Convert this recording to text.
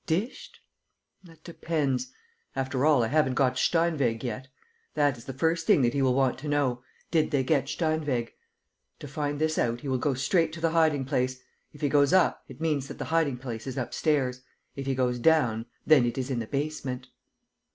... Dished? That depends. ... After all, I haven't got Steinweg yet. ... That is the first thing that he will want to know: did they get Steinweg? To find this out, he will go straight to the hiding place. If he goes up, it means that the hiding place is upstairs. If he goes down, then it is in the basement."